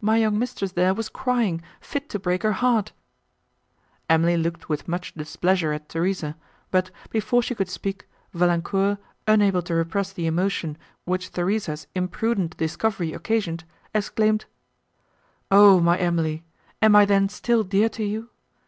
My young mistress there was crying, fit to break her heart—" Emily looked with much displeasure at Theresa, but, before she could speak, Valancourt, unable to repress the emotion, which Theresa's imprudent discovery occasioned, exclaimed, "O my Emily! am I then still dear to you!